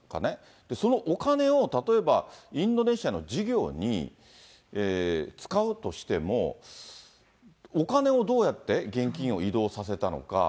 そのお金を、例えばインドネシアの事業に使うとしても、お金をどうやって、現金を移動させたのか。